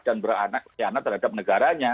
dan berkhianat terhadap negaranya